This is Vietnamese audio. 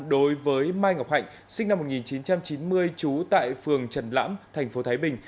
đối với mai ngọc hạnh sinh năm một nghìn chín trăm chín mươi trú tại phường trần lãm thành phố thái bình